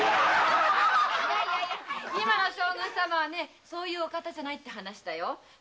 今の将軍様はねそんなお方じゃないって話よ。